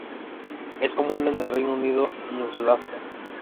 Es común en el Reino Unido y en Sudáfrica.